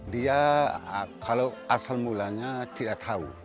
dia kalau asal mulanya tidak tahu